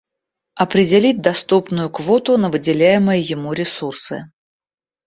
Определить доступную квоту на выделяемые ему ресурсы